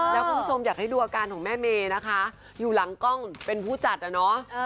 แล้วคุณผู้ชมอยากให้ดูอาการของแม่เมย์นะคะอยู่หลังกล้องเป็นผู้จัดอ่ะเนาะ